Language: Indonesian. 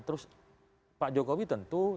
terus pak jokowi tentu